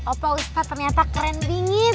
opa usta ternyata keren dingin